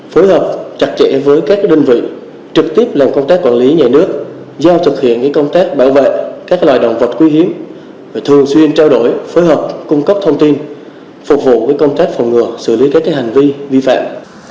phối hợp chặt chẽ với các đơn vị trực tiếp làm công tác quản lý nhà nước giao thực hiện công tác bảo vệ các loài động vật quý hiếm và thường xuyên trao đổi phối hợp cung cấp thông tin phục vụ công tác phòng ngừa xử lý các hành vi vi phạm